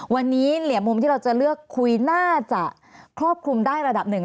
วันนี้เหลี่ยมุมที่เราจะเลือกคุยน่าจะครอบคลุมได้ระดับหนึ่ง